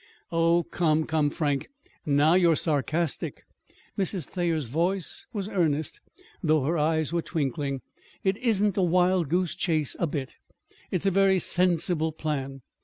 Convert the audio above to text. "Oh, come, come, Frank, now you're sarcastic!" Mrs. Thayer's voice was earnest, though her eyes were twinkling. "It isn't a wild goose chase a bit. It's a very sensible plan.